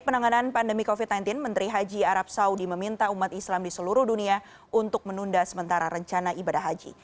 penanganan pandemi covid sembilan belas menteri haji arab saudi meminta umat islam di seluruh dunia untuk menunda sementara rencana ibadah haji